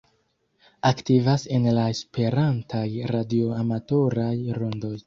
Aktivas en la esperantaj radioamatoraj rondoj.